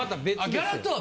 ギャラは。